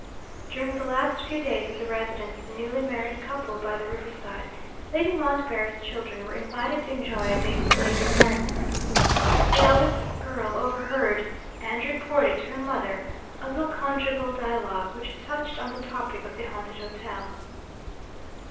During the last few days of the residence of the newly married couple by the riverside, Lady Montbarry's children were invited to enjoy a day's play in the garden. The eldest girl overheard (and reported to her mother) a little conjugal dialogue which touched on the topic of The Haunted Hotel.